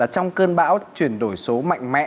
trong cơn bão chuyển đổi của các doanh nghiệp này